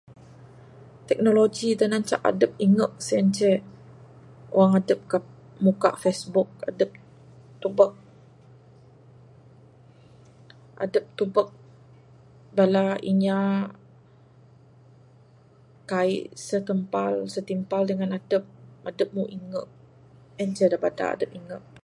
Teknologi da ngancak adep ingeg sien ceh wang adep muka Facebook adep tubek...adep tubek bala inya kaii segempal...setimpal dangan adep...adep mbuh ingeg...en ceh bada adep ingeg.